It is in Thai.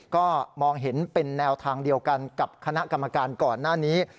ก็มองเห็นเป็นแนวทางเดียวกันกับคณะกรรมการก่อนหน้านี้